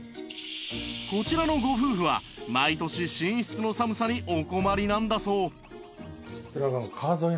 こちらのご夫婦は毎年寝室の寒さにお困りなんだそう